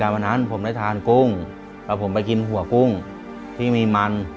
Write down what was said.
วันนั้นผมได้ทานกุ้งแล้วผมไปกินหัวกุ้งที่มีมัน